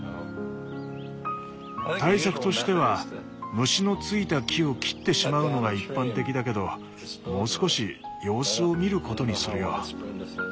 対策としては虫のついた木を切ってしまうのが一般的だけどもう少し様子を見ることにするよ。